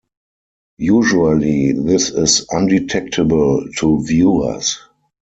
Usually this is undetectable to viewers.